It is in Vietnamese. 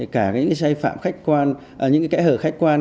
cả những cái xây phạm khách quan những cái kẽ hở khách quan